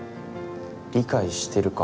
理解してるか。